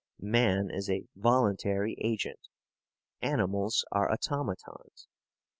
Man is a voluntary agent. Animals are automatons.